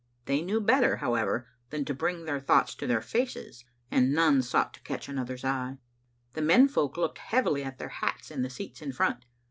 They knew better, however, than to bring their thoughts to their faces, and none sought to catch another's eye. The men folk looked heavily at their hats in the seats in front.